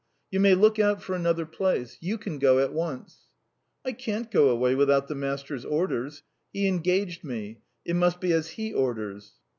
"You may look out for another place. You can go at once." "I can't go away without the master's orders. He engaged me. It must be as he orders."